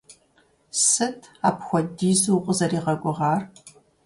Сыт апхуэдизу укъызэригъэгугъар?